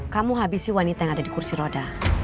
kamu habisi wanita yang ada di kursi roda